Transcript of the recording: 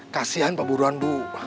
kasian pak burhan bu